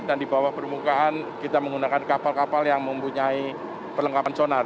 dan di bawah permukaan kita menggunakan kapal kapal yang mempunyai perlengkapan sonar